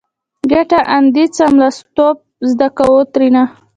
کټه اندي څملستوب زده کو؛ ترينو